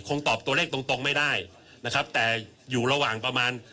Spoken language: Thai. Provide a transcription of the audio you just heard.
ตอบตัวเลขตรงตรงไม่ได้นะครับแต่อยู่ระหว่างประมาณ